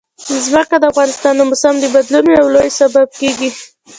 ځمکه د افغانستان د موسم د بدلون یو لوی سبب کېږي.